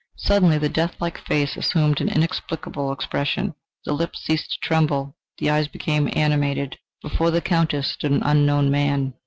Suddenly the death like face assumed an inexplicable expression. The lips ceased to tremble, the eyes became animated: before the Countess stood an unknown man.